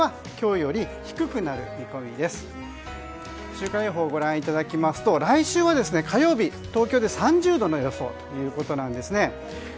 週間予報をご覧いただきますと来週は火曜日、東京で３０度の予想ということです。